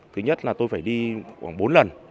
thứ nhất là tôi phải đi khoảng bốn lần